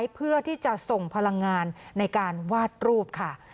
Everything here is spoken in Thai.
เพื่อที่จะส่งพลังงานในการวาดรูปค่ะ